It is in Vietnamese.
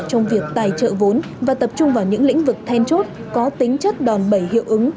trong việc tài trợ vốn và tập trung vào những lĩnh vực then chốt có tính chất đòn bẩy hiệu ứng